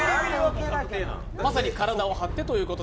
まさに体を張ってということで。